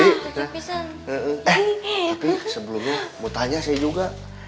eh tapi sebelumnya mau tanya saya juga